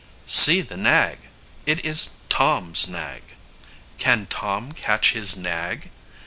] See the nag! It is Tom's nag. Can Tom catch his nag?